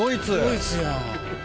ドイツやん。